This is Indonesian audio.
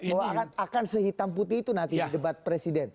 bahwa akan sehitam putih itu nanti di debat presiden